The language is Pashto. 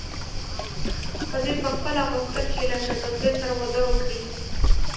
وزیر پخپله غوښتل چې له شهزادګۍ سره واده وکړي.